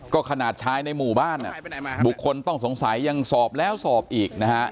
ก็ขนาดชายในหมู่บ้านบุคคลต้องสงสัยยังสอบแล้วสอบอีกนะฮะ